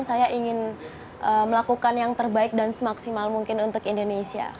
saya ingin melakukan yang terbaik dan semaksimal mungkin untuk indonesia